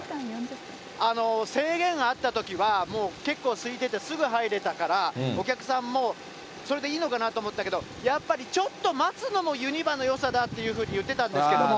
制限あったときは、もう、結構すいてて、すぐ入れたから、お客さんも、それでいいのかなと思ったけど、やっぱりちょっと待つのもユニバのよさだっていうふうにいってたんですけども。